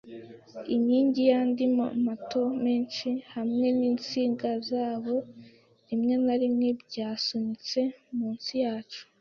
inkingi yandi mato menshi, hamwe ninsinga zabo rimwe na rimwe byasunitswe munsi yacu